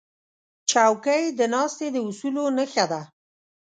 چوکۍ د ناستې د اصولو نښه ده.